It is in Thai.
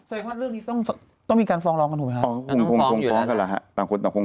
ใส่ความว่าเรื่องนี้ต้องต้องมีการฟ้องร้องกันถูกไหมคะต้องฟ้องอยู่แล้วต่างคนต่างคนฟ้อง